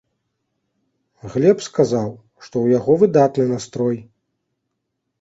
Глеб сказаў, што ў яго выдатны настрой.